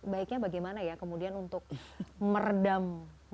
baiknya bagaimana ya kemudian untuk meredam emosi yang muncul karena itu gitu